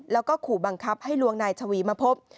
แล้วก็ขู่บังคับให้ลวงนายชวีมาพบ